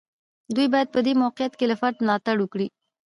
دوی باید په دې موقعیت کې له فرد ملاتړ وکړي.